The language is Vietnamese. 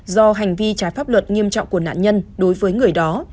do hành vi trái pháp luật nghiêm trọng của nạn nhân đối với người đó